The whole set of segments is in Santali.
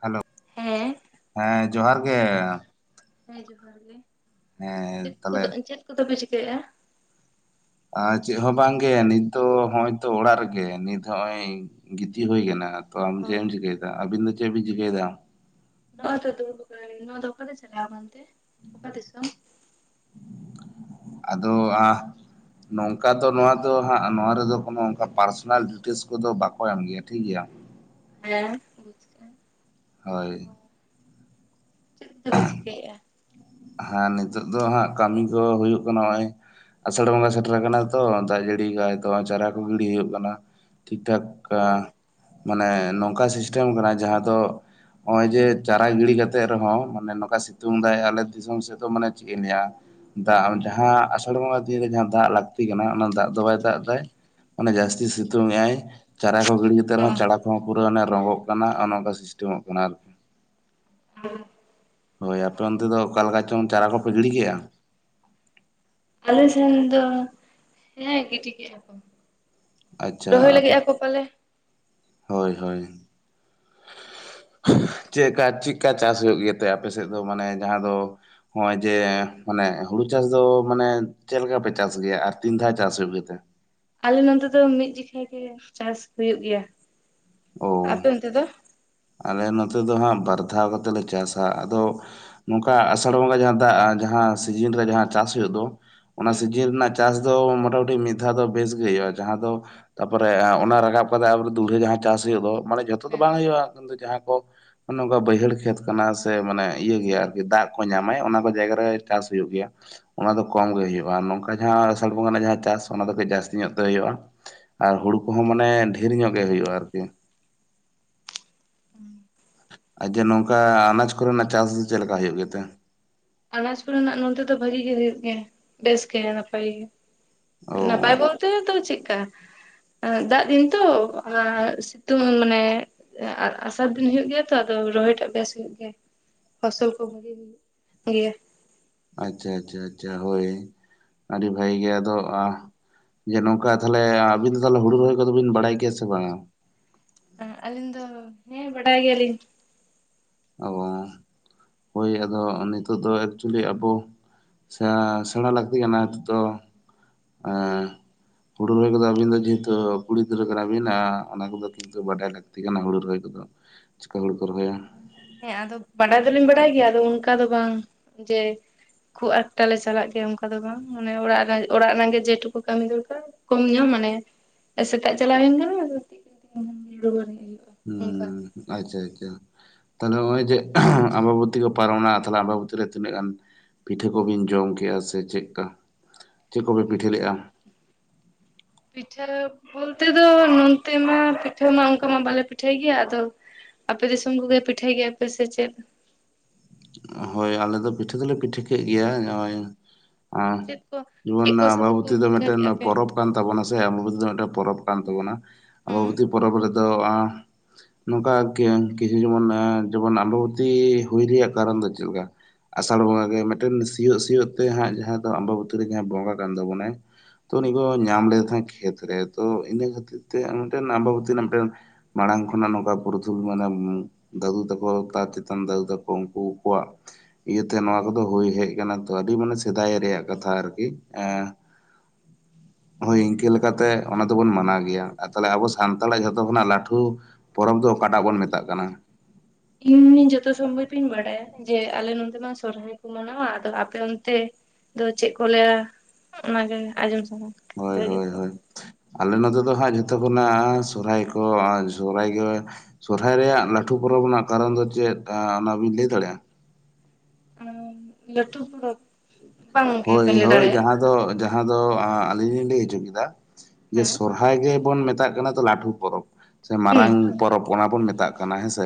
ᱦᱮᱞᱳ ᱦᱮᱸ ᱦᱮᱸ ᱡᱚᱦᱟᱨ ᱜᱮ ᱦᱮᱸ ᱡᱚᱦᱟᱨ ᱜᱮ ᱦᱮᱸ ᱪᱮᱫ ᱛᱟᱦᱞᱮ ᱠᱚᱫᱚ ᱪᱮᱫ ᱠᱚᱫᱚᱯᱮ ᱪᱤᱠᱟᱹᱭᱮᱫᱟ ᱟᱨ ᱪᱮᱫ ᱦᱚᱸ ᱵᱟᱝᱜᱮ ᱱᱤᱛ ᱫᱚ ᱦᱚᱸᱜᱼᱚᱭ ᱛᱚ ᱚᱲᱟᱜ ᱨᱮᱜᱮ ᱱᱤᱛ ᱱᱚᱦᱚᱭ ᱜᱤᱛᱤᱡ ᱦᱩᱭ ᱠᱟᱱᱟ ᱛᱚ ᱟᱢ ᱚ ᱮᱢ ᱪᱤᱠᱟᱹᱭ ᱫᱟ ᱟᱵᱤᱱ ᱫᱚ ᱪᱮᱫ ᱵᱤᱱ ᱪᱤᱠᱟᱹᱭ ᱫᱟ ᱱᱚᱣᱟ ᱛᱚ ᱫᱩᱲ ᱵᱟ ᱱᱚᱣᱟ ᱫᱚ ᱚᱠᱟᱨᱮ ᱪᱟᱞᱟᱣ ᱠᱟᱱᱛᱮ ᱟᱫᱚ ᱱᱚᱝᱠᱟ ᱫᱚ ᱱᱚᱣᱟ ᱫᱚ ᱦᱟᱸᱜ ᱱᱚᱣᱟ ᱨᱮᱫᱚ ᱠᱳᱱᱳᱠᱟ ᱯᱟᱨᱥᱚᱱᱟᱞ ᱰᱤᱴᱮᱞᱥ ᱠᱚᱫᱚ ᱵᱟᱠᱚ ᱮᱢ ᱜᱮᱭᱟ ᱴᱷᱤᱠ ᱜᱮᱭᱟ [inaudible] ᱦᱮᱸ ᱵᱩᱡ ᱦᱳᱭ ᱪᱮᱫ ᱫᱚᱯᱮ ᱪᱤᱠᱟᱹᱭᱮᱫᱼᱟ ᱦᱮᱸ ᱱᱤᱛᱚᱜ ᱫᱚ ᱦᱟᱸᱜ ᱠᱟᱹᱢᱤ ᱠᱚ ᱦᱩᱭᱩᱜ ᱠᱟᱱᱟ ᱱᱚᱜᱼᱚᱭ ᱟᱥᱟᱲ ᱵᱚᱸᱜᱟ ᱥᱮᱴᱮᱨ ᱠᱟᱱᱟ ᱛᱚ ᱫᱟᱜ ᱡᱟᱹᱲᱤ ᱠᱟᱜ-ᱟᱭ ᱛᱚ ᱪᱟᱨᱟ ᱠᱚ ᱜᱤᱰᱤ ᱦᱩᱭᱩᱜ ᱠᱟᱱᱟ ᱴᱷᱤᱠ ᱴᱷᱟᱠ ᱚ ᱢᱟᱱᱮ ᱱᱚᱝᱠᱟ ᱥᱤᱥᱴᱮᱢ ᱠᱟᱱᱟ ᱡᱟᱦᱟᱸ ᱫᱚ ᱱᱚᱜᱼᱚᱭ ᱦᱩᱸ ᱡᱮ ᱪᱟᱨᱟ ᱜᱤᱲᱤ ᱠᱟᱛᱮᱜ ᱨᱮᱦᱚᱸ ᱱᱚᱝᱠᱟ ᱥᱤᱛᱩᱝ ᱫᱟᱭ ᱟᱞᱮ ᱫᱤᱥᱚᱢ ᱥᱮᱫ ᱫᱚ ᱢᱟᱱᱮ ᱪᱮᱫ ᱤᱧ ᱞᱮᱹᱭᱟ ᱫᱟᱜ ᱡᱟᱦᱟᱸ ᱟᱥᱟᱲ ᱵᱚᱸᱜᱟ ᱫᱤᱭᱮ ᱡᱟᱦᱟᱸ ᱫᱟᱜ ᱞᱟᱹᱠᱛᱤ ᱠᱟᱱᱟ ᱚᱱᱟ ᱫᱟᱜ ᱫᱚ ᱵᱟᱭ ᱫᱟᱜ ᱮᱫᱟ ᱢᱟᱱᱮ ᱡᱟᱹᱥᱛᱤ ᱥᱤᱛᱩᱝ ᱮ ᱟᱭ ᱪᱟᱨᱟ ᱠᱚ ᱜᱤᱲᱤ ᱠᱟᱛᱮ ᱚ ᱨᱮᱦᱚᱸ ᱪᱟᱲᱟ ᱠᱚᱦᱚᱸ ᱯᱩᱨᱟᱹ ᱚᱱ ᱨᱚᱝᱜᱚᱜ ᱠᱟᱱᱟ ᱚᱱᱮ ᱚᱱᱠᱟ ᱥᱤᱥᱴᱮᱢᱚᱜ ᱠᱟᱱᱟ ᱟᱨᱠᱤ ᱦᱮᱸ ᱦᱳᱭ ᱟᱯᱮ ᱚᱱᱛᱮ ᱫᱚ ᱚᱠᱟ ᱞᱮᱠᱟ ᱪᱚᱝ ᱪᱟᱨᱟ ᱠᱚᱯᱮ ᱜᱤᱲᱤ ᱠᱮᱜᱼᱟ ᱟᱞᱮ ᱥᱮᱱ ᱫᱚ ᱦᱮᱸ ᱜᱤᱰᱤ ᱠᱮᱜ-ᱟ ᱠᱚ ᱟᱪᱪᱷᱟ ᱨᱚᱦᱚᱭ ᱞᱟᱹᱜᱤᱫ ᱟᱯᱮ ᱟᱠᱚ ᱯᱟᱞᱮ ᱦᱳᱭ ᱦᱳᱭ [inaudible] ᱪᱮᱜᱠᱟ ᱪᱤᱜᱠᱟ ᱪᱟᱥ ᱦᱩᱭᱩᱜ ᱜᱮᱛᱮ ᱟᱯᱮᱥᱮᱫ ᱫᱚ ᱢᱟᱱᱮ ᱡᱟᱦᱟᱸ ᱫᱚ ᱱᱚᱜᱼᱚᱭ ᱡᱮ ᱢᱟᱱᱮ ᱦᱩᱲᱩ ᱪᱟᱥ ᱫᱚ ᱢᱟᱱᱮ ᱪᱮᱫ ᱞᱮᱠᱟ ᱯᱮ ᱪᱟᱥ ᱜᱮᱭᱟ ᱟᱨ ᱛᱤᱱ ᱫᱷᱟᱣ ᱪᱟᱥ ᱦᱩᱭᱩᱜ ᱜᱮᱛᱮ ᱟᱞᱮ ᱱᱚᱛᱮ ᱫᱚ ᱢᱤᱫ ᱦᱤᱨᱤ ᱪᱟᱥ ᱦᱩᱭᱩᱜ ᱜᱮᱭᱟ ᱚ ᱟᱯᱮ ᱚᱱᱛᱮ ᱫᱚ ᱟᱞᱮ ᱱᱚᱛᱮ ᱫᱚ ᱦᱟᱸᱜ ᱵᱟᱨ ᱫᱷᱟᱣ ᱠᱟᱛᱮᱞᱮ ᱪᱟᱥᱟ ᱟᱫᱚ ᱱᱚᱝᱠᱟ ᱟᱥᱟᱲ ᱵᱚᱸᱜᱟ ᱡᱟᱦᱟᱸ ᱫᱟᱜᱼᱟ ᱡᱟᱦᱟᱸ ᱥᱤᱡᱤᱱ ᱨᱮ ᱦᱮᱸ ᱡᱟᱦᱟᱸ ᱪᱟᱥ ᱦᱳᱭᱳᱜ ᱫᱚ ᱚᱱᱟ ᱦᱩᱸ ᱥᱤᱡᱤᱱ ᱨᱮᱱᱟᱜ ᱪᱟᱥ ᱫᱚ ᱢᱚᱴᱟᱢᱩᱴᱤ ᱢᱤᱫ ᱫᱷᱟᱣ ᱫᱚ ᱵᱮᱥ ᱜᱮ ᱦᱳᱭᱳᱜᱼᱟ ᱡᱟᱦᱟᱸ ᱫᱚ ᱛᱟᱯᱚᱨᱮ ᱚᱱᱟ ᱨᱟᱠᱟᱵ ᱠᱟᱛᱮ ᱫᱩᱞᱦᱟᱹ ᱡᱟᱦᱟᱸ ᱪᱟᱥ ᱦᱳᱭᱳᱜ ᱫᱚ ᱢᱟᱱᱮ ᱡᱚᱛᱚ ᱫᱚ ᱦᱮᱸ ᱵᱟᱝ ᱦᱩᱭᱩᱜᱼᱟ ᱡᱟᱦᱟᱸ ᱠᱚ ᱚᱱᱮ ᱚᱱᱠᱟ ᱵᱟᱹᱭᱦᱟᱹᱲ ᱠᱷᱮᱛ ᱠᱟᱱᱟ ᱥᱮ ᱢᱟᱱᱮ ᱤᱭᱟᱹ ᱜᱮᱭᱟ ᱟᱨᱠᱤ ᱫᱟᱜ ᱠᱚ ᱧᱟᱢᱟᱭ ᱚᱱᱟ ᱠᱚ ᱡᱟᱭᱜᱟ ᱪᱟᱥ ᱦᱩᱭᱩᱜ ᱜᱮᱭᱟ ᱚᱱᱟ ᱫᱚ ᱠᱚᱢ ᱜᱮ ᱦᱩᱭᱩᱜᱼᱟ ᱱᱚᱝᱠᱟ ᱡᱟᱦᱟᱸ ᱟᱥᱟᱲ ᱵᱚᱸᱜᱟ ᱨᱮᱱᱟᱜ ᱡᱟᱦᱟᱸ ᱪᱟᱥ ᱚᱱᱟ ᱫᱚ ᱠᱟᱹᱡ ᱡᱟᱹᱥᱛᱤ ᱧᱚᱜ ᱦᱩᱭᱩᱜᱼᱟ ᱟᱨ ᱦᱩᱲᱩ ᱠᱚᱦᱚᱸ ᱢᱟᱱᱮ ᱰᱷᱮᱨ ᱧᱚᱜ ᱜᱮ ᱦᱩᱭᱩᱜᱼᱟ ᱟᱨᱠᱤ ᱦᱩᱸ ᱟᱡ ᱜᱮ ᱱᱚᱝᱠᱟ ᱟᱱᱟᱡ ᱠᱚᱨᱮᱱᱟᱜ ᱪᱟᱥ ᱫᱚ ᱪᱮᱫ ᱞᱮᱠᱟ ᱦᱩᱭᱩᱜ ᱜᱮᱛᱮ ᱟᱱᱟᱡ ᱠᱚᱨᱮᱱᱟᱜ ᱱᱚᱛᱮ ᱫᱚ ᱵᱷᱟᱹᱜᱤ ᱜᱮ ᱦᱩᱭᱩᱜ ᱜᱮᱭᱟ ᱵᱮᱥ ᱜᱮ ᱱᱟᱯᱟᱭ ᱚ ᱜᱮ ᱱᱟᱯᱟᱭ ᱵᱚᱞᱛᱮ ᱛᱚ ᱪᱮᱫᱠᱟ ᱫᱟᱜ ᱫᱤᱱ ᱛᱚ ᱥᱤᱛᱩᱝ ᱢᱟᱱᱮ ᱟᱸᱥᱟᱲ ᱫᱤᱱ ᱦᱩᱭᱩᱜ ᱜᱮᱭᱟ ᱛᱚ ᱨᱚᱦᱚᱭ ᱴᱟᱜ ᱵᱮᱥ ᱦᱩᱭᱩᱜ ᱜᱮᱭᱟ ᱯᱷᱚᱥᱚᱞ ᱠᱚ ᱵᱷᱟᱹᱜᱤ ᱦᱩᱭᱩᱜ ᱜᱮᱭᱟ ᱟᱪᱪᱷᱟ ᱟᱪᱪᱷᱟ ᱟᱪᱪᱷᱟ ᱦᱳᱭ ᱟᱹᱰᱤ ᱵᱷᱟᱹᱜᱤ ᱜᱮ ᱟᱫᱚ ᱡᱮ ᱱᱚᱝᱠᱟ ᱛᱟᱦᱚᱞᱮ ᱟᱵᱤᱱ ᱫᱚ ᱛᱟᱦᱚᱞᱮ ᱦᱩᱲᱩ ᱨᱚᱦᱚᱭ ᱠᱚᱫᱚ ᱵᱤᱱ ᱵᱟᱲᱟᱭ ᱜᱮᱭᱟ ᱥᱮ ᱵᱟᱝᱟ ᱟᱹᱞᱤᱧ ᱫᱚ ᱦᱮᱸ ᱵᱟᱰᱟᱭ ᱜᱮᱭᱟᱞᱤᱧ ᱚ ᱦᱳᱭ ᱟᱫᱚ ᱱᱤᱛᱚᱜ ᱫᱚ ᱮᱠᱪᱩᱭᱮᱞᱤ ᱟᱵᱚ ᱥᱮ ᱥᱮᱬᱟ ᱞᱟᱹᱠᱛᱤ ᱠᱟᱱᱟ ᱱᱤᱛᱚᱜ ᱫᱚ ᱮ ᱦᱩᱲᱩ ᱨᱚᱦᱚᱭ ᱠᱚᱫᱚ ᱟᱹᱵᱤᱱ ᱫᱚ ᱡᱮᱦᱮᱛᱩ ᱠᱩᱲᱤ ᱜᱤᱫᱽᱨᱟᱹ ᱠᱟᱱᱟᱵᱤᱱ ᱚᱱᱟ ᱠᱚᱫᱚ ᱠᱤᱱᱛᱩ ᱵᱟᱰᱟᱭ ᱞᱟᱹᱠᱛᱤ ᱠᱟᱱᱟ ᱦᱩᱲᱩ ᱨᱚᱦᱚᱭ ᱠᱚᱫᱚ ᱪᱤᱠᱟᱹ ᱦᱚᱲ ᱠᱚ ᱨᱚᱦᱚᱭᱟ ᱦᱮᱸ ᱟᱫᱚ ᱵᱟᱰᱟᱭ ᱫᱚᱞᱤᱧ ᱵᱟᱰᱟᱭ ᱜᱮᱭᱟ ᱟᱫᱚ ᱚᱱᱠᱟ ᱫᱚ ᱵᱟᱝ ᱡᱮ ᱠᱷᱩᱵ ᱟᱠᱴᱟ ᱞᱮ ᱪᱟᱞᱟᱜ ᱜᱮᱭᱟ ᱚᱱᱠᱟ ᱫᱚ ᱵᱟᱝ ᱢᱟᱱᱮ ᱚᱲᱟᱜ ᱚᱲᱟᱜ ᱨᱮᱱᱟᱜ ᱜᱮ ᱡᱮᱴᱩᱠᱩ ᱠᱟᱹᱢᱤ ᱫᱚᱨᱠᱟᱨ ᱠᱚᱢ ᱧᱚᱜ ᱢᱟᱱᱮ ᱥᱮᱛᱟᱜ ᱪᱟᱞᱟᱣ ᱦᱩᱭᱮᱱ ᱠᱟᱱᱟ ᱦᱩᱭᱩᱜᱼᱟ ᱚᱱᱠᱟ ᱦᱩᱸ ᱟᱪᱪᱷᱟ ᱟᱪᱪᱷᱟ ᱛᱟᱦᱚᱞᱮ ᱱᱚᱜᱼᱚᱭ ᱡᱮ ᱟᱢᱵᱟᱵᱚᱛᱤ ᱠᱚ ᱯᱟᱨᱚᱢᱱᱟ ᱛᱟᱦᱚᱞᱮ ᱟᱢᱵᱟᱵᱚᱛᱤ ᱨᱮ ᱛᱤᱱᱟᱹᱜ ᱜᱟᱱ ᱯᱤᱴᱷᱟᱹ ᱠᱚᱵᱤᱱ ᱡᱚᱢ ᱠᱮᱜᱼᱟ ᱥᱮ ᱪᱮᱫᱠᱟ ᱪᱮᱫ ᱠᱚᱵᱮ ᱯᱤᱴᱷᱟᱹ ᱞᱮᱫᱼᱟ ᱯᱤᱴᱷᱟᱹ ᱵᱚᱞᱛᱮ ᱫᱚ ᱱᱚᱱᱛᱮ ᱢᱟ ᱯᱤᱴᱷᱟᱹ ᱢᱟ ᱚᱱᱠᱟ ᱢᱟ ᱵᱟᱞᱮ ᱯᱤᱴᱷᱟᱹᱭ ᱜᱮᱭᱟ ᱟᱫᱚ ᱟᱯᱮ ᱫᱤᱥᱚᱢ ᱠᱚᱜᱮ ᱯᱤᱴᱷᱟᱹᱭ ᱜᱮᱭᱟ ᱯᱮ ᱥᱮ ᱪᱮᱫ ᱦᱳᱭ ᱟᱞᱮ ᱫᱚ ᱯᱤᱴᱷᱟᱹ ᱫᱚᱞᱮ ᱯᱤᱴᱷᱟᱹ ᱠᱮᱫ ᱜᱮᱭᱟ ᱱᱚᱜᱼᱚᱭ ᱪᱮᱫ ᱠᱚ ᱡᱮᱢᱚᱱ ᱪᱮᱫ ᱠᱚ ᱥᱟᱛᱮ ᱠᱚ ᱟᱢᱵᱟᱵᱚᱛᱤ ᱫᱚ ᱯᱤᱴᱷᱟᱹ ᱢᱤᱫᱴᱮᱱ ᱠᱮᱜᱼᱟ ᱯᱮ? ᱯᱚᱨᱚᱵᱽ ᱠᱟᱱ ᱛᱟᱵᱚᱱᱟ ᱥᱮ ᱟᱢᱵᱟᱵᱚᱛᱤ ᱫᱚ ᱢᱤᱫᱴᱮᱱ ᱯᱚᱨᱚᱵᱽ ᱠᱟᱱ ᱛᱟᱵᱚᱱᱟ ᱟᱵᱚᱵᱚᱛᱤ ᱯᱚᱨᱚᱵᱽ ᱨᱮᱫᱚ ᱱᱚᱝᱠᱟ ᱠᱤᱪᱷᱩ ᱡᱮᱢᱚᱱ ᱡᱮᱢᱚᱱ ᱟᱞᱚᱵᱚᱛᱤ ᱦᱩᱭ ᱨᱮᱭᱟᱜ ᱫᱷᱟᱨᱚᱱ ᱫᱚ ᱪᱮᱫ ᱞᱮᱠᱟ ᱟᱥᱟᱲ ᱵᱚᱸᱜᱟ ᱜᱮ ᱢᱤᱫᱴᱮᱱ ᱥᱤᱭᱳᱜ ᱥᱤᱭᱳᱜ ᱛᱮ ᱦᱟᱸᱜ ᱡᱟᱦᱟᱸ ᱫᱚ ᱟᱢᱵᱟᱵᱟᱹᱛ ᱨᱮ ᱡᱟᱦᱟᱸ ᱵᱚᱸᱜᱟ ᱠᱟᱱᱟ ᱛᱟᱵᱚᱱᱟᱭ ᱛᱚ ᱩᱱᱤ ᱠᱚ ᱧᱟᱢ ᱞᱮᱫᱮ ᱛᱟᱦᱮᱸ ᱠᱷᱮᱛ ᱨᱮ ᱛᱚ ᱤᱱᱟᱹ ᱠᱷᱟᱹᱛᱤᱨ ᱛᱮ ᱢᱤᱫᱴᱮᱱ ᱟᱵᱟᱵᱚᱛᱤ ᱨᱮᱱᱟᱜ ᱢᱤᱫᱴᱮᱱ ᱢᱟᱲᱟᱝ ᱠᱷᱚᱱᱟᱜ ᱱᱚᱝᱠᱟ ᱯᱩᱨᱩᱫᱷᱩᱞ ᱢᱟᱱᱮ ᱫᱟᱫᱩ ᱛᱟᱠᱚ ᱛᱟᱨ ᱪᱮᱛᱟᱱ ᱫᱟᱫᱩ ᱛᱟᱠᱚ ᱩᱱ ᱠᱚᱣᱟᱜ ᱤᱭᱟᱹᱛᱮ ᱱᱚᱣᱟ ᱠᱚᱫᱚ ᱦᱩᱭ ᱦᱮᱡ ᱟᱠᱟᱱᱟ ᱛᱚ ᱟᱹᱰᱤ ᱢᱟᱱᱮ ᱥᱮᱫᱟᱭ ᱨᱮᱭᱟᱜ ᱠᱟᱛᱷᱟ ᱟᱨᱠᱤ ᱮ [inaudible] ᱦᱳᱭ ᱤᱱᱠᱟᱹ ᱞᱮᱠᱟᱛᱮ ᱚᱱᱟ ᱫᱚᱵᱩᱱ ᱢᱟᱱᱟᱣ ᱜᱮᱭᱟ ᱛᱟᱦᱚᱞᱮ ᱟᱵᱚ ᱥᱟᱱᱛᱟᱲᱟᱜ ᱡᱷᱚᱛᱚ ᱠᱷᱚᱱᱟᱜ ᱞᱟᱹᱴᱩ ᱯᱚᱨᱚᱵᱽ ᱫᱚ ᱚᱠᱟᱴᱟᱜ ᱵᱚᱱ ᱢᱮᱛᱟᱜ ᱠᱟᱱᱟ [inaudible] ᱤᱧ ᱡᱚᱛᱚ ᱥᱚᱢᱵᱷᱚᱵ ᱤᱧ ᱵᱟᱰᱟᱭᱟ ᱡᱮ ᱟᱞᱮ ᱱᱚᱛᱮ ᱢᱟ ᱥᱚᱦᱨᱟᱭ ᱠᱚ ᱢᱟᱱᱟᱣᱟ ᱟᱫᱚ ᱟᱯᱮ ᱚᱱᱛᱮ ᱟᱫᱚ ᱪᱮᱫ ᱠᱚ ᱞᱟᱹᱭᱟ ᱚᱱᱟᱜᱮ ᱟᱡᱚᱢ ᱥᱟ ᱦᱳᱭ ᱦᱳᱭ ᱦᱳᱭ ᱟᱞᱮ ᱱᱚᱛᱮ ᱫᱚ ᱦᱟᱜ ᱡᱚᱛᱚ ᱠᱷᱚᱱᱟᱜ ᱥᱚᱦᱨᱟᱭ ᱠᱚ ᱥᱚᱦᱨᱟᱭ ᱜᱮ ᱥᱚᱦᱨᱟᱭ ᱨᱮᱭᱟᱜ ᱞᱟᱹᱴᱩ ᱯᱚᱨᱚᱵᱽ ᱨᱮᱱᱟᱜ ᱠᱟᱨᱚᱱ ᱫᱚ ᱪᱮᱫ ᱚᱱᱟ ᱵᱤᱱ ᱞᱟᱹᱭ ᱫᱟᱲᱮᱭᱟᱜᱼᱟ ᱞᱟᱹᱴᱩ ᱯᱩᱨᱚᱵ ᱦᱳᱭ ᱦᱳᱭ ᱡᱟᱦᱟᱸ ᱫᱚ ᱡᱟᱦᱟᱸ ᱫᱚ ᱟᱹᱞᱤᱧ ᱞᱤᱧ ᱞᱟᱹᱭ ᱦᱚᱪᱚ ᱠᱮᱫᱟ ᱡᱮ ᱦᱮᱸ ᱥᱚᱨᱦᱟᱭ ᱜᱮᱵᱚᱱ ᱢᱮᱛᱟᱜ ᱠᱟᱱᱟ ᱞᱟᱹᱴᱩ ᱯᱚᱨᱚᱵᱽ ᱥᱮ ᱢᱟᱨᱟᱝ ᱦᱩᱸ ᱯᱚᱨᱚᱵᱽ ᱚᱱᱟ ᱵᱚᱱ ᱢᱮᱛᱟᱜ ᱠᱟᱱᱟ ᱦᱮᱸᱥᱮ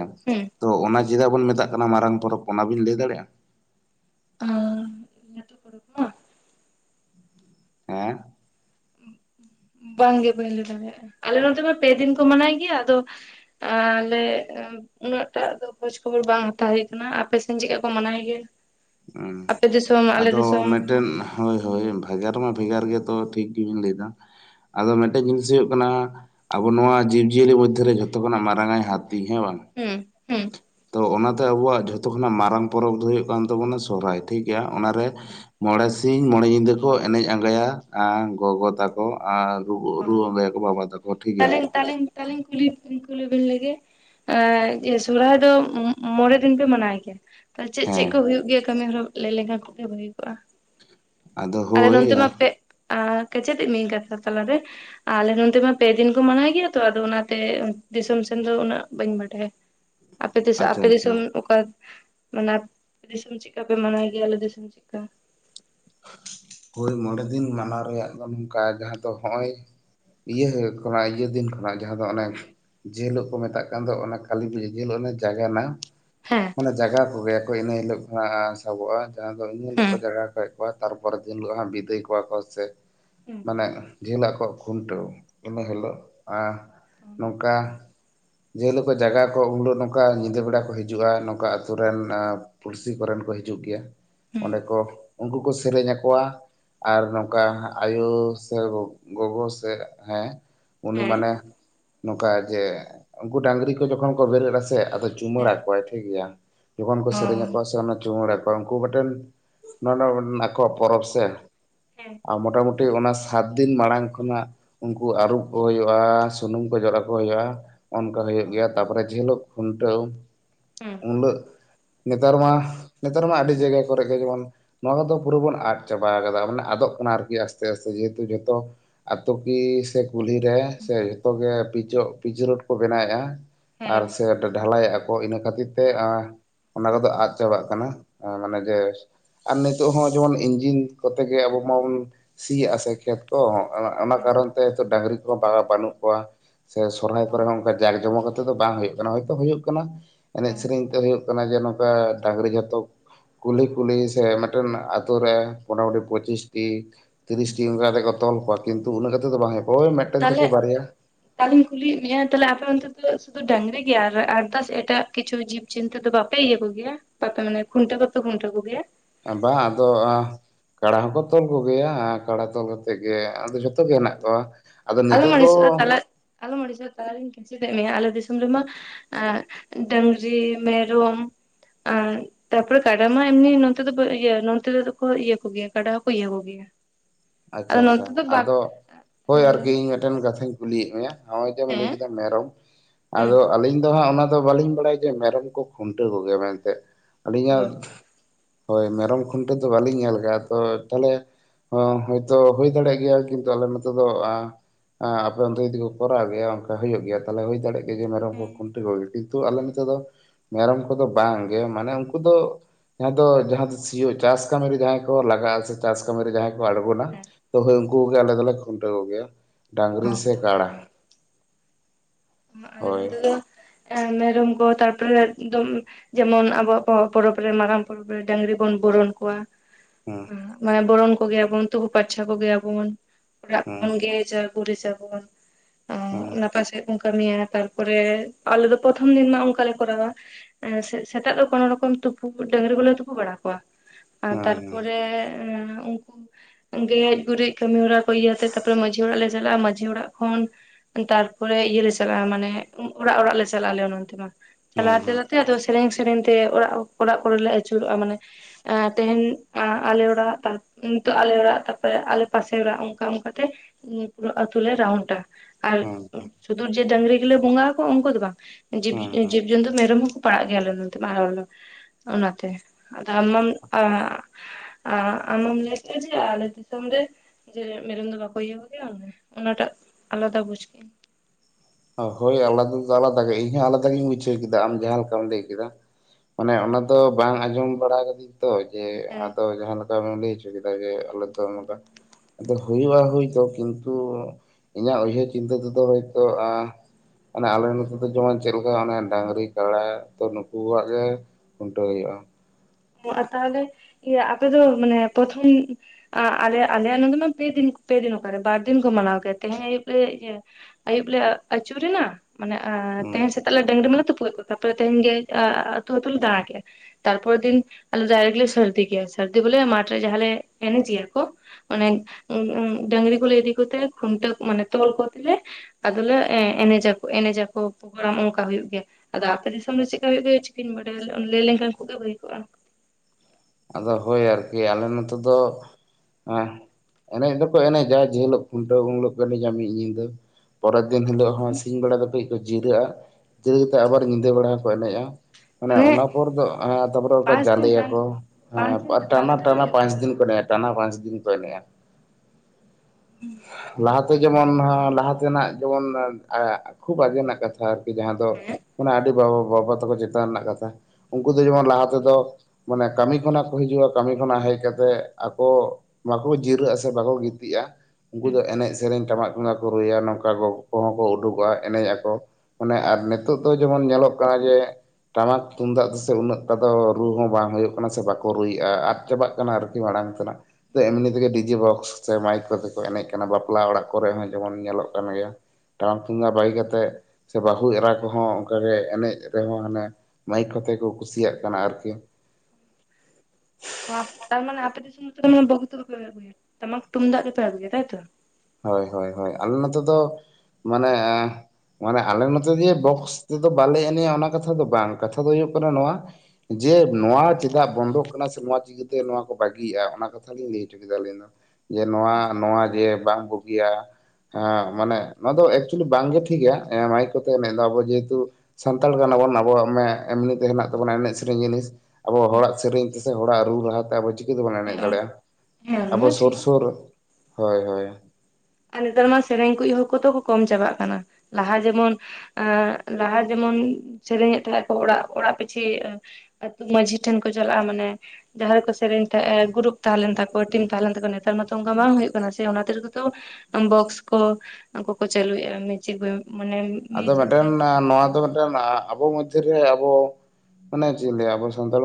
ᱛᱚ ᱚᱱᱟ ᱪᱮᱫᱟᱜ ᱵᱚᱱ ᱢᱮᱛᱟᱜ ᱠᱟᱱᱟ ᱢᱟᱨᱟᱝ ᱯᱚᱨᱚᱵᱽ ᱚᱱᱟ ᱵᱤᱱ ᱞᱟᱹᱭ ᱫᱟᱲᱮᱭᱟᱜᱼᱟ [unintelligible] ᱦᱮᱸ [unintelligible] ᱵᱟᱝᱜᱮ ᱵᱟᱹᱧ ᱞᱟᱹᱭ ᱫᱟᱲᱮᱭᱟᱜᱼᱟ ᱟᱞᱮ ᱱᱚᱛᱮ ᱢᱟ ᱯᱮᱫᱤᱱ ᱠᱚ ᱢᱟᱱᱟᱭ ᱜᱮᱭᱟ ᱟᱫᱚ ᱟᱞᱮ ᱩᱱᱟᱹᱜᱴᱟᱜ ᱫᱚ ᱠᱷᱚᱡᱽ ᱠᱷᱚᱵᱚᱨ ᱵᱟᱝ ᱦᱟᱛᱟᱣ ᱦᱩᱭ ᱟᱠᱟᱱᱟ ᱟᱯᱮ ᱥᱮᱱ ᱪᱮᱫᱠᱟ ᱠᱚ ᱢᱟᱱᱟᱣ ᱜᱮᱭᱟ ᱟᱯᱮ ᱫᱤᱥᱚᱢ ᱟᱞᱮ ᱟᱫᱚ ᱫᱤᱥᱚᱢ ᱢᱤᱫᱴᱮᱱ ᱦᱳᱭ ᱦᱳᱭ ᱵᱷᱮᱜᱟᱨᱢᱟ ᱵᱷᱮᱜᱟᱨ ᱜᱮᱛᱚ ᱴᱷᱤᱠ ᱜᱮᱵᱤᱱ ᱞᱟᱹᱭ ᱮᱫᱟ ᱟᱫᱚ ᱢᱤᱫᱴᱮᱱ ᱡᱤᱱᱤᱥ ᱦᱩᱭᱩᱜ ᱠᱟᱱᱟ ᱟᱵᱚ ᱱᱚᱣᱟ ᱡᱤᱵᱡᱤᱭᱟᱹᱞᱤ ᱢᱚᱫᱽᱫᱷᱮᱨᱮ ᱡᱷᱚᱛᱚ ᱠᱷᱚᱱᱟᱜ ᱢᱟᱨᱟᱝ ᱟᱭ ᱦᱟᱹᱛᱤ ᱦᱮᱸ ᱵᱟᱝ ᱦᱩᱸ ᱦᱩᱸ ᱛᱚ ᱚᱱᱟᱛᱮ ᱟᱵᱚᱣᱟᱜ ᱡᱷᱚᱛᱚ ᱠᱷᱚᱱᱟᱜ ᱢᱟᱨᱟᱝ ᱯᱚᱨᱚᱵᱽ ᱫᱚ ᱦᱩᱭᱩᱜ ᱠᱟᱱ ᱛᱟᱵᱚᱱᱟ ᱥᱚᱦᱨᱟᱭ ᱴᱷᱤᱠᱜᱮᱭᱟ ᱚᱱᱟᱨᱮ ᱢᱚᱬᱮ ᱥᱤᱧ ᱢᱚᱬᱮ ᱧᱤᱫᱟᱹ ᱠᱚ ᱮᱱᱮᱡ ᱟᱸᱜᱟᱭᱟ ᱜᱚᱜᱚ ᱛᱟᱠᱚ ᱨᱩ ᱚ ᱨᱩ ᱟᱸᱜᱟᱭᱟᱠᱚ ᱵᱟᱵᱟ ᱛᱟᱠᱚ ᱴᱷᱤᱠ ᱜᱮᱭᱟ ᱛᱟᱦᱞᱮ ᱛᱟᱦᱮ ᱛᱟᱦᱮᱧ ᱠᱩᱞᱤ ᱩᱞᱤ ᱵᱤᱱ ᱞᱮᱜᱮ ᱮ ᱥᱚᱦᱨᱟᱭ ᱫᱚ ᱢᱚᱬᱮ ᱫᱤᱱ ᱯᱮ ᱢᱟᱱᱟᱣ ᱜᱮᱭᱟ ᱪᱮᱫ ᱪᱮᱫ ᱠᱚ ᱦᱮᱸ ᱦᱩᱭᱩᱜ ᱜᱮᱭᱟ ᱠᱟᱹᱢᱤ ᱦᱚᱨᱟ ᱞᱟᱹᱭ ᱞᱮᱱᱠᱷᱟᱱ ᱠᱷᱩᱵ ᱜᱮ ᱵᱷᱟᱜᱮ ᱠᱚᱜᱼᱟ ᱟᱫᱚ ᱦᱳᱭᱭᱟ ᱠᱟᱪᱮᱫ ᱮ ᱢᱤᱟᱹᱧ ᱠᱟᱛᱷᱟ ᱛᱟᱞᱟᱨᱮ ᱟᱞᱮ ᱱᱚᱱᱛᱮ ᱢᱟ ᱯᱮᱫᱤᱱ ᱠᱚ ᱢᱟᱱᱟᱣ ᱜᱮᱭᱟ ᱛᱚ ᱟᱫᱚ ᱚᱱᱟᱛᱮ ᱫᱤᱥᱚᱢ ᱥᱮᱱ ᱫᱚ ᱩᱱᱟᱹᱜ ᱵᱟᱹᱧ ᱵᱟᱰᱟᱭᱟ ᱟᱯᱮ ᱫᱤᱥᱚᱢ ᱟᱪᱪᱷᱟ ᱟᱯᱮ ᱟᱪᱪᱷᱟ ᱫᱤᱥᱚᱢ ᱚᱠᱟ ᱢᱟᱱᱮ ᱫᱤᱥᱚᱢ ᱪᱮᱫᱠᱟᱯᱮ ᱢᱟᱱᱟᱣ ᱜᱮᱭᱟ ᱟᱞᱮ ᱫᱤᱥᱚᱢ ᱪᱮᱫᱠᱟ ᱦᱳᱭ ᱢᱚᱬᱮ ᱫᱤᱱ ᱢᱟᱱᱟ ᱨᱮᱭᱟᱜ ᱫᱚ ᱱᱚᱝᱠᱟ ᱡᱟᱦᱟᱸ ᱫᱚ ᱱᱚᱜᱼᱚᱭ ᱤᱭᱟᱹ ᱠᱷᱚᱱᱟᱜ ᱤᱭᱟᱹ ᱫᱤᱱ ᱠᱷᱚᱱᱟᱜ ᱡᱟᱦᱟᱸ ᱫᱚ ᱚᱱᱮ ᱡᱮᱞᱚᱜ ᱠᱚ ᱢᱮᱛᱟᱜ ᱠᱟᱱ ᱫᱚ ᱚᱱᱟ ᱠᱟᱞᱤ ᱯᱩᱡ ᱡᱮ ᱚᱱᱮ ᱡᱟᱜᱟᱱᱟ᱾ ᱦᱮᱸ ᱢᱟᱱᱮ ᱡᱟᱭᱜᱟ ᱠᱚᱜᱮᱭᱟ ᱠᱚ ᱤᱱᱟᱹ ᱦᱤᱞᱳᱜ ᱠᱷᱚᱱᱟᱜ ᱥᱟᱵᱚᱜᱼᱟ ᱡᱟᱦᱟᱸ ᱫᱚ ᱤᱱᱟᱹ ᱦᱤᱞᱳᱜ ᱠᱚ ᱦᱮᱸ ᱡᱟᱜᱟ ᱠᱷᱚᱣᱟ ᱛᱟᱨᱯᱚᱨᱮ ᱫᱤᱱ ᱦᱤᱞᱳᱜ ᱦᱚᱸ ᱵᱤᱫᱟᱹᱭ ᱠᱚᱣᱟ ᱠᱚ ᱥᱮ ᱦᱩᱸ ᱢᱟᱱᱮ ᱡᱮ ᱦᱤᱞᱚᱜ ᱟᱠᱚ ᱟᱜ ᱠᱷᱩᱱᱴᱟᱹᱣ ᱤᱱᱟᱹ ᱦᱤᱞᱳᱜ ᱮ ᱱᱚᱝᱠᱟ ᱡᱮᱞᱮᱠᱟ ᱡᱟᱭᱜᱟ ᱠᱚ ᱩᱱᱞᱳᱜ ᱱᱚᱝᱠᱟ ᱧᱤᱫᱟᱹ ᱵᱮᱲᱟ ᱠᱚ ᱦᱤᱡᱩᱜᱼᱟ ᱱᱚᱝᱠᱟ ᱟᱛᱳ ᱨᱮᱱ ᱯᱩᱲᱥᱤ ᱠᱚᱨᱮᱱ ᱠᱚ ᱦᱤᱡᱩᱜ ᱜᱮᱭᱟ ᱦᱮᱸ ᱚᱸᱰᱮ ᱠᱚ ᱩᱱᱠᱩ ᱠᱚ ᱥᱮᱨᱮᱧ ᱟᱠᱚᱣᱟ ᱟᱨ ᱱᱚᱝᱠᱟ ᱟᱭᱳ ᱥᱮ ᱜᱚᱜᱚ ᱥᱮ ᱦᱮᱸ ᱩᱱᱤ ᱦᱮᱸ ᱢᱟᱱᱮ ᱱᱚᱝᱠᱟ ᱡᱮ ᱩᱱᱠᱩ ᱰᱟᱝᱨᱤ ᱠᱚ ᱡᱚᱠᱷᱚᱱ ᱠᱚ ᱵᱮᱨᱮᱫ ᱟ ᱥᱮᱮ ᱟᱫᱚ ᱪᱩᱢᱟᱹᱲᱟ ᱦᱮᱸ ᱠᱚᱣᱟᱭ ᱴᱷᱤᱠ ᱜᱮᱭᱟ᱾ ᱡᱮᱢᱚᱱ ᱠᱚ ᱚ ᱥᱮᱨᱮᱧ ᱟᱠᱚᱣᱟ ᱥᱮ ᱪᱩᱢᱟᱹᱲᱟᱮᱫ ᱠᱚᱣᱟ ᱩᱱᱠᱩ ᱢᱤᱫᱴᱮᱱ ᱱᱚᱰᱮ ᱟᱠᱚ ᱯᱚᱨᱚᱵᱽ ᱥᱮ ᱦᱮᱸ ᱟᱨ ᱢᱚᱴᱟᱢᱩᱴᱤ ᱚᱱᱟ ᱥᱟᱛ ᱫᱤᱱ ᱢᱟᱲᱟᱝ ᱠᱷᱚᱱᱟᱜ ᱩᱱᱠᱩ ᱟᱹᱨᱩᱵ ᱠᱚ ᱦᱩᱭᱩᱜᱼᱟ ᱥᱩᱱᱩᱢ ᱠᱚ [unintelligible] ᱦᱩᱭᱩᱜᱼᱟ ᱚᱱᱠᱟ ᱦᱩᱭᱩᱜ ᱚ ᱜᱮᱭᱟ ᱡᱷᱞ ᱠᱷᱩᱱᱴᱟᱹᱣ ᱦᱮᱸ ᱩᱱᱤᱞᱳᱜ ᱱᱮᱛᱟᱨ ᱢᱟ ᱱᱮᱛᱟᱨ ᱢᱟ ᱟᱹᱰᱤ ᱡᱟᱭᱜᱟ ᱠᱚᱨᱮ ᱜᱮ ᱡᱮᱢᱚᱱ ᱱᱚᱣᱟ ᱠᱚᱫᱚ ᱯᱩᱨᱟᱹ ᱵᱚᱱ ᱟᱫ ᱪᱟᱵᱟ ᱠᱟᱫᱟ ᱢᱟᱱᱮ ᱟᱫᱚᱜ ᱠᱟᱱᱟ ᱟᱨᱠᱤ ᱟᱥᱛᱮ ᱟᱥᱛᱮ ᱡᱮᱦᱮᱛᱩ ᱡᱷᱚᱛᱚ ᱟᱛᱩ ᱠᱤ ᱥᱮ ᱠᱩᱞᱦᱤ ᱨᱮ ᱥᱮ ᱡᱚᱛᱚ ᱜᱮ ᱯᱤᱡ ᱯᱤᱡ ᱨᱳᱰ ᱠᱚ ᱵᱮᱱᱟᱣᱮᱫᱼᱟ᱾ ᱟᱨ ᱦᱮᱸ ᱥᱮ ᱰᱷᱟᱞᱟᱭᱮᱫᱼᱟ ᱠᱚ ᱤᱱᱟᱹ ᱠᱷᱟᱹᱛᱤᱨ ᱛᱮ ᱚᱱᱟ ᱠᱚᱫᱚ ᱟᱫ ᱪᱟᱵᱟᱜ ᱠᱟᱱᱟ ᱢᱟᱱᱮ ᱡᱮ᱾ ᱟᱨ ᱱᱤᱛᱚᱜ ᱦᱚᱸ ᱡᱮᱢᱚᱱ ᱤᱧᱡᱤᱱ ᱠᱚᱛᱮ ᱜᱮ ᱟᱵᱚ ᱢᱟᱵᱚᱱ ᱥᱤᱭᱟᱜᱼᱟ ᱥᱮ ᱠᱷᱮᱛ ᱠᱚ ᱚᱱᱟ ᱦᱮᱸ ᱠᱟᱨᱚᱱ᱾ ᱠᱟᱨᱚᱱ ᱛᱮ ᱰᱟᱝᱨᱤ ᱠᱚᱦᱚᱸ ᱵᱟᱹᱱᱩᱜ ᱠᱚᱣᱟ᱾ ᱥᱮ ᱥᱚᱨᱦᱟᱭ ᱚ ᱠᱚᱨᱮ ᱦᱚᱸ ᱚᱱᱠᱟ ᱡᱟᱸᱠ ᱡᱚᱢᱚᱠ ᱠᱟᱛᱮᱜ ᱫᱚ ᱵᱟᱝ ᱦᱩᱭᱩᱜ ᱠᱟᱱᱟ ᱦᱭᱛᱳ ᱦᱩᱭᱩᱜ ᱠᱟᱱᱟ ᱮᱱᱮᱡ ᱦᱮᱸ ᱥᱮᱨᱮᱧ ᱛᱮ ᱦᱩᱭᱩᱜ ᱠᱟᱱᱟ᱾ ᱡᱮ ᱱᱚᱠᱟ ᱰᱟᱝᱨᱤ ᱡᱚᱛᱚ ᱠᱩᱞᱦᱤ ᱠᱩᱞᱦᱤ ᱥᱮ ᱢᱤᱫᱴᱮᱱ ᱟᱛᱳ ᱨᱮ ᱢᱚᱴᱟᱢᱴᱤ ᱯᱚᱸᱪᱤᱥᱴᱤ ᱛᱤᱨᱤᱥᱴᱤ ᱚᱱᱠᱟ ᱠᱟᱛᱮ ᱠᱚ ᱛᱚᱞ ᱠᱚᱣᱟ ᱠᱤᱱᱛᱩ ᱩᱱᱟᱜ [unintelligible] ᱛᱟᱦᱚᱞᱮ ᱛᱟᱦᱚᱞᱮᱧ ᱠᱩᱞᱤᱭᱮᱫ ᱢᱮᱭᱟ ᱛᱟᱦᱞᱮ ᱟᱯᱮ ᱚᱱᱛᱮ ᱥᱩᱫᱩ ᱰᱟᱝᱨᱤ ᱜᱮᱭᱟ ᱟᱨᱫᱟᱥ ᱮᱴᱟᱜ ᱠᱤᱪᱷᱩ ᱡᱤᱵ ᱡᱤᱱᱛᱟᱹ ᱫᱚ ᱵᱟᱯᱮ ᱤᱭᱟᱹ ᱠᱚ ᱜᱮᱭᱟ ᱢᱟᱱᱮ ᱠᱷᱩᱱᱴᱟᱹᱜ [unintelligible] ᱜᱩᱱᱴᱟ ᱠᱚ ᱜᱮᱭᱟ ᱵᱟᱝ ᱟᱫᱚ ᱠᱟᱲᱟ ᱦᱚᱸᱠᱚ ᱛᱚᱞ ᱠᱚᱜᱮᱭᱟ ᱠᱟᱰᱟ ᱛᱚᱞ ᱠᱟ ᱠᱟᱛᱮᱫ ᱜᱮ ᱟᱫᱚ ᱡᱷᱚᱛᱚ ᱜᱮ ᱦᱮᱱᱟᱜ ᱠᱚᱣᱟ᱾ ᱟᱫᱚ ᱟᱞᱚᱢ ᱱᱤᱛᱚᱜ ᱫᱚ ᱟᱲᱤᱥᱚᱜ-ᱟ ᱛᱟᱞᱟᱨᱤᱧ ᱟᱞᱚᱢ ᱟᱲᱤᱥᱚᱜ-ᱟ ᱛᱟᱞᱟᱨᱤᱧ ᱠᱮᱪᱮᱫ ᱪᱮᱫ ᱢᱮᱭᱟ ᱟᱞᱮ ᱫᱤᱥᱚᱢ ᱨᱮᱢᱟ ᱰᱟᱝᱨᱤ ᱢᱮᱨᱚᱢ ᱟᱨ ᱛᱟᱯᱚᱨᱮ ᱠᱟᱰᱟ ᱢᱟ ᱮᱢᱱᱤ ᱱᱚᱛᱮ ᱫᱚ ᱤᱭᱟᱹ ᱱᱚᱛᱮ ᱫᱚᱠᱚ ᱤᱭᱟᱹ ᱠᱚᱜᱮᱭᱟ ᱠᱟᱰᱟ ᱦᱚᱸᱠᱚ ᱤᱭᱟᱹ ᱠᱚᱜᱮᱭᱟ᱾ [inaudible] ᱟᱪᱪᱷᱟ ᱟᱫᱚ ᱟᱪᱪᱷᱟ ᱱᱚᱛᱮ ᱫᱚ ᱵᱟᱝ ᱟᱫᱚ ᱦᱳᱭ ᱦᱮᱸ ᱞᱟᱹᱭ ᱟᱨᱠᱤ ᱢᱮ ᱤᱧ ᱢᱤᱫᱴᱮᱱ ᱠᱟᱛᱷᱟᱧ ᱠᱩᱞᱤᱭᱮᱫ ᱢᱮᱭᱟ᱾ ᱱᱚᱼᱚᱭ ᱡᱮ ᱞᱟᱹᱭ ᱦᱮᱸ ᱠᱮᱫᱟ ᱢᱮᱨᱚᱢ ᱦᱮᱸ ᱟᱫᱚ ᱟᱹᱞᱤᱧ ᱫᱚ ᱦᱟᱸᱜ ᱚᱱᱟ ᱫᱚ ᱵᱟᱹᱞᱤᱧ ᱵᱟᱲᱟᱭᱟ ᱡᱮ ᱢᱮᱨᱚᱢ ᱠᱚ ᱠᱷᱩᱱᱴᱟᱹᱣ ᱠᱚᱜᱮᱭᱟ ᱢᱮᱱᱛᱮ ᱟᱹᱞᱤᱧᱟᱜ ᱚ ᱦᱳᱭ ᱢᱮᱨᱚᱢ ᱠᱷᱩᱱᱴᱤᱟᱹᱣ ᱫᱚ ᱵᱟᱹᱞᱤᱧ ᱧᱮᱞ ᱟᱠᱟᱜᱼᱟ ᱛᱚ ᱛᱟᱦᱚᱞᱮ ᱦᱳᱭᱛᱳ ᱦᱩᱭ ᱫᱟᱲᱮᱭᱟᱜ ᱜᱮᱭᱟ ᱠᱤᱱᱛᱩ ᱟᱞᱮ ᱱᱚᱛᱮ ᱫᱚ ᱟᱯᱮ ᱚᱱᱛᱮ ᱡᱩᱫᱤ ᱠᱚᱨᱟᱣ ᱜᱮᱭᱟ ᱚᱱᱠᱟ ᱦᱩᱭᱩᱜ ᱜᱮᱭᱟ ᱛᱟᱦᱚᱞᱮ ᱦᱩᱭ ᱫᱟᱲᱮᱜ ᱜᱮᱭᱟ ᱡᱮ ᱢᱮᱨᱚᱢ ᱠᱚ ᱦᱮᱸ ᱠᱷᱩᱱᱴᱟᱣ ᱠᱤᱱᱛᱩ ᱟᱞᱮ ᱱᱚᱛᱮ ᱫᱚ ᱢᱮᱨᱚᱢ ᱠᱚᱫᱚ ᱵᱟᱝ ᱜᱮᱮ ᱢᱟᱱᱮ ᱩᱱᱠᱩ ᱫᱚ ᱡᱟᱦᱟᱸ ᱫᱚ ᱡᱟᱦᱟᱸ ᱫᱚᱤᱭᱳᱜ ᱪᱟᱥ ᱠᱟᱹᱢᱤᱨ ᱨᱮ ᱡᱟᱦᱟᱸᱭ ᱠᱚ ᱞᱟᱜᱟᱜᱼᱟ ᱥᱮ ᱪᱟᱥ ᱠᱟᱹᱢᱤᱤᱨ ᱨᱮ ᱡᱟᱦᱟᱸᱭ ᱠᱚ ᱟᱬᱜᱳ ᱛᱚᱵᱮ ᱩᱱᱠᱩᱜᱮ ᱟᱞᱮ ᱫᱚᱞᱮ ᱠᱷᱩᱱᱴᱟᱹᱣ ᱜᱮᱭᱟ ᱰᱟᱝᱨᱤ ᱥᱮ ᱚ ᱠᱟᱰᱟ ᱟᱞᱮ [unintelligible] ᱮ ᱢᱮᱨᱚᱢ ᱠᱚ ᱛᱟᱨᱯᱚᱨᱮ ᱡᱮᱢᱚᱱ ᱟᱵᱚᱣᱟᱜ ᱯᱚᱨᱚᱵ ᱨᱮ ᱢᱟᱨᱟᱝ ᱯᱚᱨᱚᱵ ᱨᱮ ᱰᱟᱝᱨᱤ ᱵᱚᱱ ᱵᱚᱨᱚᱱ ᱠᱚᱣᱟ ᱦᱩᱸ ᱢᱟᱱᱮ ᱵᱚᱨᱚᱱ ᱠᱚᱜᱮᱭᱟᱵᱚᱱ ᱛᱩᱯᱩ ᱯᱟᱨᱪᱷᱟ ᱠᱚᱜᱮᱭᱟᱵᱚᱱ ᱦᱩᱸ ᱚᱲᱟᱜᱵᱚᱱ ᱜᱮᱡᱟ ᱜᱩᱨᱤᱡᱟᱵᱚᱱ ᱦᱩᱸ ᱱᱟᱯᱟᱭ ᱥᱮᱫ ᱠᱟᱹᱢᱤᱭᱟ ᱛᱟᱨᱯᱚᱨᱮ ᱟᱞᱮ ᱫᱚ ᱯᱨᱚᱛᱷᱚᱢ ᱫᱤᱱ ᱢᱟ ᱚᱱᱠᱟ ᱞᱮ ᱠᱚᱨᱟᱣᱟ ᱥᱮᱛᱟᱜ ᱫᱚ ᱠᱚᱱᱱᱳ ᱨᱚᱠᱚᱢ ᱰᱟᱝᱨᱤ ᱠᱚᱞᱮ ᱛᱩᱯᱳ ᱵᱟᱲᱟ ᱠᱚᱣᱟ ᱦᱩᱸ ᱦᱩᱸ ᱛᱟᱨᱯᱚᱨᱮ ᱩᱱᱠᱩ ᱜᱮᱡ ᱜᱩᱨᱤᱡ ᱠᱟᱹᱢᱤ ᱦᱚᱨᱟ ᱠᱚ ᱤᱭᱟᱹᱛᱮ ᱛᱟᱨᱯᱚᱨᱮ ᱢᱟᱺᱡᱷᱤ ᱚᱲᱟᱜ ᱞᱮ ᱪᱟᱞᱟᱜᱼᱟ ᱢᱟᱺᱡᱷᱤ ᱚᱲᱟᱜ ᱠᱷᱚᱱ ᱛᱟᱨᱯᱚᱨᱮ ᱤᱭᱟᱹᱞᱮ ᱪᱟᱞᱟᱜᱼᱟ ᱢᱟᱱᱮ ᱚᱲᱟᱜ ᱚᱲᱟᱜ ᱞᱮ ᱪᱟᱞᱟᱜ ᱟᱞᱮ ᱚᱱᱛᱮ ᱢᱟ ᱪᱟᱞᱟᱣ ᱦᱩᱸ ᱦᱩᱸ ᱛᱟᱞᱟᱛᱮ ᱥᱮᱨᱮᱧ ᱥᱮᱨᱮᱧ ᱛᱮ ᱚᱲᱟᱜ ᱚᱲᱟᱜ ᱠᱚᱨᱮᱞᱮ ᱟᱹᱪᱩᱨᱚᱜᱼᱟ ᱢᱟᱱᱮ ᱛᱮᱦᱮᱧ ᱟᱞᱮ ᱚᱲᱟᱜ ᱱᱤᱛᱚᱜ ᱟᱞᱮ ᱚᱲᱟᱜ ᱛᱟᱯᱚᱨᱮ ᱟᱞᱮ ᱯᱟᱥᱮ ᱚᱲᱟᱜ ᱚᱱᱠᱟ ᱚᱱᱠᱟᱛᱮ ᱯᱩᱨᱟᱹ ᱟᱛᱳ ᱞᱮ ᱨᱟᱣᱩᱱᱴ ᱟᱨ ᱦᱩᱸ ᱦᱩᱸ ᱥᱩᱫᱩᱨ ᱡᱮ ᱰᱟᱝᱨᱤ ᱜᱮᱞᱮ ᱵᱚᱸᱜᱟ ᱟᱠᱚ ᱩᱱᱠᱩ ᱫᱚ ᱵᱟᱝ ᱦᱩᱸ ᱦᱩᱸ ᱡᱤᱵᱽᱡᱚᱱᱛᱩ ᱢᱮᱨᱚᱢ ᱦᱚᱸᱠᱚ ᱯᱟᱲᱟᱜ ᱜᱮᱞ ᱢᱟ [unintelligible] ᱚᱱᱟᱛᱮ ᱟ ᱟ ᱟᱢ ᱞᱟᱹᱭ ᱠᱮᱜ ᱡᱮ ᱟᱞᱮ ᱫᱤᱥᱚᱢ ᱨᱮ ᱡᱮ ᱢᱮᱨᱚᱢ ᱫᱚ ᱵᱟᱠᱚ ᱤᱭᱟᱹᱣ ᱠᱚ ᱜᱮᱭᱟ ᱮ ᱚᱱᱟᱴᱟᱜ ᱟᱞᱟᱫᱟ ᱵᱩᱡ ᱦᱳᱭ ᱟᱞᱟᱫᱟ ᱫᱚ ᱟᱞᱟᱫᱟ ᱜᱮ ᱤᱧᱦᱚᱸ ᱟᱞᱟᱫᱟ ᱜᱤᱧ ᱵᱩᱡᱷᱟᱹᱣ ᱠᱮᱫᱟ ᱟᱢ ᱡᱟᱦᱟᱸ ᱞᱮᱠᱟᱢ ᱞᱟᱹᱭ ᱠᱮᱫᱟ ᱢᱟᱱᱮ ᱚᱱᱟ ᱫᱚ ᱵᱟᱝ ᱟᱸᱡᱚᱢ ᱵᱟᱲᱟ ᱠᱟᱹᱫᱤᱧ ᱛᱚ ᱡᱮ ᱦᱮᱸ ᱟᱫᱚ ᱡᱟᱦᱟᱸ ᱞᱮᱠᱟ ᱞᱟᱹᱭ ᱪᱩ ᱠᱮᱫ ᱫᱟ ᱡᱮ ᱟᱞᱮ ᱫᱚ ᱚᱝᱠᱟ ᱟᱫᱚ ᱦᱩᱭᱩᱜᱼᱟ ᱦᱳᱭᱛᱳ ᱠᱤᱱᱛᱩ ᱤᱧᱟᱹᱜ ᱩᱭᱦᱟᱹᱨ ᱪᱤᱱᱛᱟᱹ ᱛᱮᱫᱚ ᱦᱳᱭᱛᱳ [inaudible] ᱢᱟᱱᱮ ᱟᱞᱮ ᱱᱤᱛᱮ ᱫᱚ ᱡᱮᱢᱚᱱ ᱪᱮᱫ ᱞᱮᱠᱟ ᱚᱱ ᱰᱟᱝᱨᱤ ᱠᱟᱰᱟ ᱛᱚ ᱱᱩᱠᱩᱣᱟᱜ ᱜᱮ ᱠᱷᱩᱱᱴᱟᱹᱣ ᱦᱩᱭᱩᱜᱼᱟ ᱚ ᱛᱟᱦᱚᱞᱮ ᱤᱭᱟᱹ ᱟᱯᱮ ᱫᱚ ᱢᱟᱱᱮ ᱯᱨᱚᱛᱷᱚᱢ ᱟᱞᱮ ᱟᱞᱮᱭᱟᱜ ᱱᱚᱰᱮ ᱢᱟ ᱯᱮᱫᱤᱱ ᱯᱮᱫᱤᱱ ᱚᱠᱟᱨᱮ ᱵᱟᱨᱫᱤᱱ ᱠᱚ ᱢᱟᱱᱟᱣ ᱠᱮᱫᱭᱟ ᱛᱮᱦᱮᱧ ᱟᱭᱩᱵ ᱞᱮ ᱤᱭᱟᱹ ᱟᱹᱭᱩᱵ ᱞᱮ ᱟᱹᱪᱩᱨᱱᱟ ᱢᱟᱱᱮ ᱦᱩᱸ ᱛᱮᱦᱮ ᱥᱮᱛᱟᱜ ᱞᱮ ᱰᱟᱝᱨᱤ ᱢ ᱛᱟᱨᱯᱚᱨᱮ ᱛᱟᱦᱮᱱ ᱜᱮ ᱟᱹᱛᱳ ᱟᱹᱛᱳ ᱞᱮ ᱫᱟᱬᱟ ᱜᱮᱭᱟ ᱛᱟᱨᱯᱚᱨᱮ ᱫᱤᱱ ᱟᱞᱮ ᱰᱟᱭᱨᱮᱠᱴ ᱞᱮ ᱥᱟᱨᱫᱤ ᱜᱮᱭᱟ ᱥᱟᱹᱨᱫᱤ ᱵᱚᱞᱮ ᱢᱟᱴᱷ ᱨᱮ ᱡᱟᱦᱟᱸ ᱮᱱᱮᱡ ᱜᱮᱭᱟ ᱠᱚ ᱢᱟᱱᱮ ᱰᱟᱝᱨᱤ ᱠᱚᱞᱮ ᱤᱫᱤ ᱠᱚ ᱛᱟᱦᱮ ᱠᱷᱩᱱᱴᱟᱹ ᱢᱟᱱᱮ ᱛᱚᱞ ᱠᱚ ᱟᱫᱚᱞᱮ ᱮᱱᱮᱡᱟᱠᱚ ᱮᱱᱮᱡᱟᱠᱚ ᱚᱱᱠᱟ ᱦᱩᱭᱩᱜ ᱜᱮᱭᱟ ᱟᱫᱚ ᱟᱯᱮ ᱫᱤᱥᱚᱢ ᱨᱮ ᱪᱮᱠᱟ ᱦᱩᱭᱩᱜ ᱜᱮᱭᱟ ᱪᱤᱠᱟᱹᱧ ᱵᱟᱰᱟᱭ ᱞᱟᱹᱭ ᱞᱮᱱᱠᱷᱟᱱ ᱠᱷᱩᱵ ᱜᱮ ᱵᱷᱟᱹᱜᱮ ᱠᱚᱜᱼᱟ ᱟᱫᱚ ᱦᱳᱭ ᱟᱨᱠᱤ ᱟᱞᱮ ᱱᱚᱛᱮ ᱫᱚ ᱦᱮᱸ ᱮᱱᱮᱡ ᱫᱚᱠᱚ ᱮᱱᱮᱡᱟ ᱡᱮ ᱦᱤᱞᱳᱜ ᱠᱷᱩᱱᱴᱟᱹᱣ ᱩᱱ ᱦᱤᱞᱳᱜ ᱠᱚ ᱮᱱᱮᱡᱟ ᱢᱤᱫ ᱧᱤᱫᱟᱹ ᱯᱚᱨᱮ ᱢᱤᱫ ᱫᱤᱱ ᱦᱤᱞᱳᱜ ᱦᱚᱸ ᱥᱤᱧ ᱵᱮᱲᱟ ᱫᱚ ᱠᱟᱹᱡ ᱠᱚ ᱡᱤᱨᱟᱹᱜᱼᱟ ᱡᱤᱨᱟᱹ ᱠᱟᱛᱮᱜ ᱟᱵᱟᱨ ᱧᱤᱫᱟᱹ ᱵᱮᱲᱟ ᱦᱚᱸᱠᱚ ᱮᱱᱮᱡᱼᱟ ᱢᱟᱱᱮ ᱚᱱᱟ ᱯᱚᱨ ᱫᱚ ᱛᱟᱨᱯᱚᱨᱮ ᱚᱱᱠᱟ ᱯᱟᱸᱪ ᱫᱤᱱ ᱴᱟᱱ ᱡᱟᱞᱮᱭᱟᱠᱚ ᱯᱟᱸᱪ ᱫᱤᱱ ᱦᱮᱸ ᱴᱟᱱᱟ ᱴᱟᱱᱟ ᱦᱩᱭᱩᱜᱼᱟ ᱯᱟᱸᱪ ᱫᱤᱱ ᱠᱚ ᱮᱱᱮᱡᱼᱟ ᱴᱟᱱᱟ ᱯᱟᱸᱪ ᱫᱤᱱ ᱠᱚ ᱮᱱᱮᱡᱼᱟ ᱞᱟᱦᱟ ᱡᱮᱢᱚᱱ ᱞᱟᱦᱟ ᱛᱮᱱᱟᱜ ᱡᱮᱢᱚᱱ ᱠᱷᱩᱵ ᱟᱜᱮᱱᱟᱜ ᱠᱟᱛᱷᱟ ᱡᱟᱦᱟᱸ ᱫᱚ ᱦᱮᱸ ᱢᱟᱱᱮ ᱟᱹᱰᱤ ᱵᱟᱵ ᱵᱟᱵᱟ ᱛᱟᱠᱚ ᱪᱮᱛᱟᱱ ᱨᱮᱱᱟᱜ ᱠᱟᱛᱷᱟ ᱩᱱᱠᱩ ᱫᱚ ᱡᱮᱢᱚᱱ ᱞᱟᱦᱟ ᱛᱮᱫᱚ ᱢᱟᱱᱮ ᱠᱟᱹᱢᱤ ᱠᱷᱚᱱᱟᱜ ᱠᱚ ᱦᱤᱡᱩᱜᱼᱟ ᱠᱟᱹᱢᱤ ᱠᱷᱚᱱᱟᱜ ᱦᱮᱡ ᱠᱟᱛᱮᱫ ᱟᱠᱚ ᱵᱟᱠᱚ ᱡᱤᱨᱟᱹᱜ ᱟ ᱥᱮ ᱵᱟᱠᱚ ᱜᱤᱛᱤᱡᱼᱟ ᱩᱱᱠᱩ ᱦᱩᱸ ᱫᱚ ᱮᱱᱮᱡ ᱥᱮᱨᱮᱧ ᱴᱟᱢᱟᱠ ᱛᱩᱢᱫᱟᱜ ᱠᱚ ᱨᱩᱭᱟ ᱱᱚᱝᱠᱟ ᱜᱚᱜᱚ ᱠᱚᱦᱚᱸ ᱠᱚ ᱩᱰᱩᱠᱚᱜᱼᱟ ᱮᱱᱮᱡ ᱟᱠᱚ ᱚᱱᱮ ᱟᱨ ᱱᱤᱛᱚᱜ ᱫᱚ ᱡᱮᱢᱚᱱ ᱧᱮᱞᱚᱜ ᱠᱟᱱᱟ ᱡᱮ ᱴᱟᱢᱟᱠ ᱛᱩᱢᱫᱟᱜ ᱛᱮᱥᱮ ᱩᱱᱟᱹᱜ ᱴᱟ ᱫᱚ ᱨᱩ ᱦᱚᱸ ᱵᱟᱝ ᱦᱩᱭᱩᱜ ᱠᱟᱱᱟ ᱥᱮ ᱵᱟᱠᱚ ᱨᱩᱭᱼᱟ ᱟᱫ ᱪᱟᱵᱟᱜ ᱠᱟᱱᱟ ᱟᱨᱠᱤ ᱢᱟᱲᱟᱝ ᱛᱮᱱᱟᱜ ᱮᱢᱱᱤ ᱛᱮᱜᱮ ᱰᱤᱡᱤ ᱵᱚᱠᱥ ᱥᱮ ᱢᱟᱭᱠᱳ ᱠᱚ ᱮᱱᱮᱡ ᱠᱟᱱᱟ ᱵᱟᱯᱞᱟ ᱚᱲᱟᱜ ᱠᱚᱨᱮ ᱦᱚᱸ ᱡᱮᱢᱚᱱ ᱧᱮᱞᱚᱜ ᱠᱟᱱ ᱜᱮᱭᱟ ᱴᱟᱢᱟᱠ ᱛᱩᱢᱫᱟᱜ ᱵᱟᱹᱜᱤ ᱠᱟᱛᱮᱜ ᱥᱮ ᱵᱟᱹᱦᱩ ᱮᱨᱟ ᱠᱚᱦᱚᱸ ᱚᱱᱠᱟᱜᱮ ᱮᱱᱮᱡ ᱨᱮᱦᱚᱸ ᱦᱟᱱᱮ ᱢᱟᱹᱭᱤᱠ ᱛᱮ ᱠᱚ ᱠᱩᱥᱤᱭᱟᱜ ᱠᱟᱱᱟ ᱟᱨᱠᱤ ᱛᱟᱨ ᱢᱟᱱᱮ ᱟᱯᱮ ᱫᱤᱥᱚᱢ ᱫᱚ ᱵᱚᱥᱠ ᱫᱚ ᱵᱟᱯᱮ ᱟᱜᱩᱭᱟ ᱴᱟᱢᱟᱠ ᱛᱩᱢᱫᱟᱜ ᱜᱮᱞᱮ ᱟᱜᱩᱭᱟ ᱛᱟᱭᱛᱚ ᱦᱳᱭ ᱦᱳᱭ ᱦᱳᱭ ᱟᱞᱮ ᱱᱚᱛᱮ ᱫᱚ ᱢᱟᱱᱮ ᱢᱟᱱᱮ ᱟᱞᱮ ᱱᱚᱛᱮ ᱫᱮ ᱵᱚᱠᱥ ᱛᱮᱫᱚ ᱵᱟᱞᱮ ᱮᱱᱮᱡᱼᱟ ᱚᱱᱟ ᱠᱟᱛᱷᱟ ᱫᱚ ᱵᱟᱝ ᱠᱟᱛᱷᱟ ᱫᱚ ᱦᱩᱭᱩᱜ ᱠᱟᱱᱟ ᱱᱚᱣᱟ ᱡᱮ ᱱᱚᱣᱟ ᱪᱮᱫᱟᱜ ᱵᱚᱱᱫᱚᱜ ᱠᱟᱱᱟ ᱥᱮ ᱱᱚᱣᱟ ᱪᱤᱠᱟᱹᱛᱮ ᱱᱚᱣᱟ ᱠᱚ ᱵᱟᱹᱜᱤ ᱮᱜᱼᱟ ᱚᱱᱟ ᱠᱟᱛᱷᱟ ᱞᱤᱧ ᱞᱟᱹᱭ ᱦᱚᱪᱚ ᱠᱮᱫᱟ ᱟᱹᱞᱤᱧ ᱫᱚ ᱡᱮ ᱚ ᱱᱚᱣᱟ ᱱᱚᱣᱟ ᱡᱮ ᱵᱟᱝ ᱵᱩᱜᱤᱭᱟ ᱦᱮᱸ ᱢᱟᱱᱮ ᱱᱚᱣᱟ ᱫᱚ ᱮᱠᱪᱩᱭᱮᱞᱤ ᱵᱟᱝᱜᱮ ᱴᱷᱤᱠ ᱜᱮᱭᱟ ᱢᱟᱭᱤᱠᱛᱮ ᱟᱵᱚ ᱡᱮᱦᱮᱛᱩ ᱥᱟᱱᱛᱟᱲ ᱠᱟᱱᱟ ᱮᱢᱱᱤ ᱛᱮ ᱦᱮᱱᱟᱜ ᱛᱟᱵᱚᱱᱟ ᱮᱱᱮᱡ ᱥᱮᱨᱮᱧ ᱡᱤᱱᱤᱥ ᱟᱵᱚ ᱦᱩᱸ ᱦᱚᱲᱟᱜ ᱥᱮᱨᱮᱧ ᱛᱮ ᱦᱚᱲᱟᱜ ᱨᱩ ᱨᱟᱦᱟ ᱛᱮ ᱟᱵᱚ ᱪᱤᱠᱟᱹ ᱛᱮᱵᱚᱱ ᱦᱮᱸ ᱮᱱᱮᱡ ᱫᱟᱲᱮᱭᱟᱜᱼᱟ ᱦᱮᱸ ᱚᱱᱟ ᱟᱵᱚ ᱢᱟ ᱴᱷᱤᱠ ᱥᱩᱨ ᱥᱩᱨ ᱦᱳᱭ ᱦᱳᱭ ᱟᱨ ᱱᱮᱛᱟᱨ ᱢᱟ ᱥᱮᱨᱮᱧ ᱠᱩᱡ ᱦᱚᱠᱚ ᱛᱚᱠᱚ ᱠᱚᱢ ᱪᱟᱵᱟᱜ ᱠᱟᱱᱟ ᱞᱟᱦᱟ ᱡᱮᱢᱚᱱ ᱞᱟᱦᱟ ᱡᱮᱢᱚᱱ ᱥᱮᱨᱮᱧᱮᱫ ᱛᱟᱦᱮᱸ ᱠᱚ ᱚᱲᱟᱜ ᱚᱲᱟᱜ ᱯᱤᱪᱷᱤ ᱟᱹᱛᱩ ᱢᱟᱺᱡᱷᱤ ᱴᱷᱮᱱ ᱠᱚ ᱪᱟᱞᱟᱜᱼᱟ ᱢᱟᱱᱮ ᱟᱨ ᱠᱚ ᱥᱮᱨᱮᱧ ᱛᱟᱦᱮᱱ ᱜᱨᱩᱯ ᱛᱟᱦᱮᱸ ᱞᱮᱱ ᱛᱟᱠᱚᱣᱟ ᱴᱤᱢ ᱛᱟᱦᱮᱸ ᱞᱮᱱ ᱛᱟᱠᱚ ᱱᱮᱛᱟᱨ ᱢᱟᱛᱚ ᱚᱱᱠᱟ ᱵᱟᱝ ᱦᱩᱭᱩᱜ ᱠᱟᱱᱟ ᱥᱮ ᱚᱱᱟᱛᱮ ᱨᱮᱜᱮᱛᱚ ᱵᱚᱠᱥ ᱠᱚ ᱟᱠᱩ ᱠᱚ ᱪᱟᱞᱩᱭᱮᱜᱟ ᱢᱮᱡᱤᱠ ᱵᱷ ᱟᱫᱚ ᱢᱤᱫᱴᱮᱱ ᱱᱚᱣᱟ ᱫᱚ ᱢᱤᱫᱴᱮᱱ ᱟᱵᱚ ᱢᱚᱫᱷᱮ ᱨᱮ ᱟᱵᱚ ᱢᱟᱱᱮ ᱪᱮᱫ ᱤᱧ ᱞᱟᱹᱭᱟ ᱟᱵᱚ ᱥᱟᱱᱛᱟᱲ